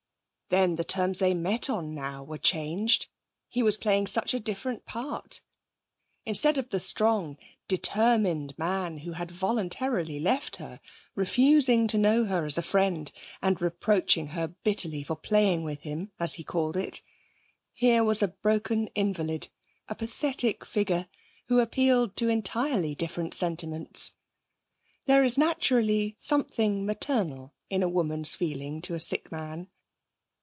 Then the terms they met on now were changed. He was playing such a different part. Instead of the strong, determined man who had voluntarily left her, refusing to know her as a friend, and reproaching her bitterly for playing with him, as he called it, here was a broken invalid, a pathetic figure who appealed to entirely different sentiments. There is naturally something maternal in a woman's feeling to a sick man.